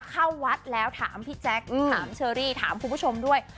เข้าวัดแล้วถามพี่แจ๊คถามเชอรี่ถามคุณผู้ชมด้วย